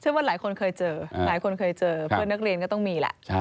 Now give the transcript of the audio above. ว่าหลายคนเคยเจอหลายคนเคยเจอเพื่อนนักเรียนก็ต้องมีแหละ